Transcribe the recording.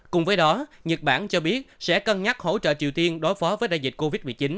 cùng với đó nhật bản cho biết sẽ cân nhắc hỗ trợ triều tiên đối phó với đại dịch covid một mươi chín